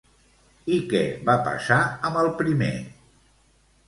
I què va passar amb el primer?